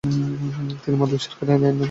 তিনি মালদ্বীপ সরকারের একজন উকিল এবং আইনজ্ঞ।